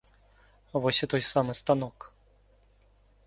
Вось і той самы станок.